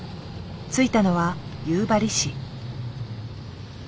着いたのは夕張市。